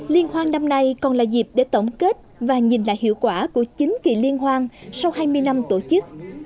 liên hoan năm nay còn là dịp để tổng kết và nhìn lại hiệu quả của chín kỳ liên hoan sau hai mươi năm tổ chức